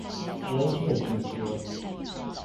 微電子學